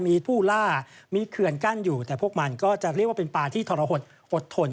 มีผู้ล่ามีเขื่อนกั้นอยู่แต่พวกมันก็จะเรียกว่าเป็นปลาที่ทรหดอดทน